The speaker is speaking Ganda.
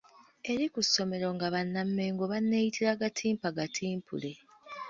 Eri ku ssomero nga Banna Mmengo banneeyitira Gattimpa Gatimpule.